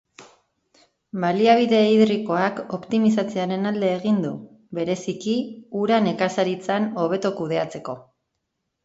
Baliabide hidrikoak optimizatzearen alde egin du, bereziki, ura nekazaritzan hobeto kudeatzeko.